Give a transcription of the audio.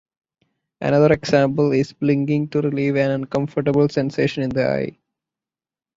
Another example is blinking to relieve an uncomfortable sensation in the eye.